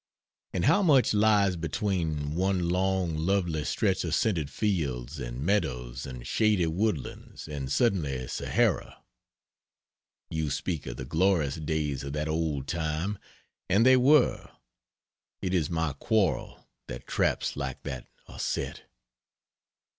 And how much lies between one long lovely stretch of scented fields, and meadows, and shady woodlands, and suddenly Sahara! You speak of the glorious days of that old time and they were. It is my quarrel that traps like that are set.